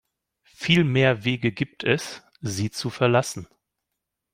Viel mehr Wege gibt es, sie zu verlassen.